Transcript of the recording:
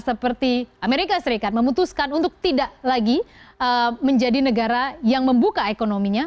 seperti amerika serikat memutuskan untuk tidak lagi menjadi negara yang membuka ekonominya